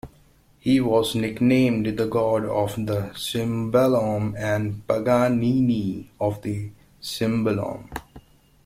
He was nicknamed "the God of the Cimbalom" and "Paganini of the cimbalom".